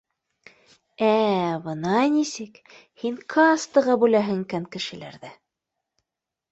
— Ә-ә, бына нисек, һин кастаға бүләһең икән кешеләрҙе